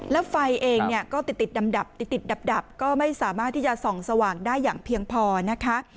แล้วไฟเองเนี่ยก็ติดดับติดดับก็ไม่สามารถที่จะส่องสว่างได้อย่างเพียงพอนะคะ